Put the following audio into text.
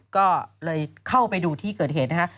ก็เลยเข้าไปดูที่เกิดเหตุนะฮะ